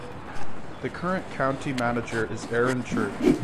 The current County Manager is Aaron Church.